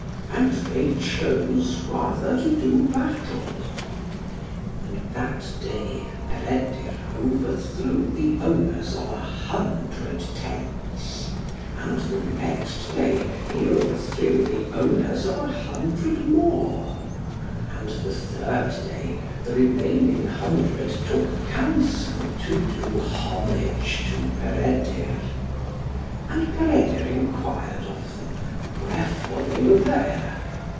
And they chose rather to do battle. And that day Peredur overthrew the owners of a hundred tents. And the next day he overthrew the owners of a hundred more; and the third day the remaining hundred took counsel to do homage to Peredur. And Peredur enquired of them, wherefore they were there.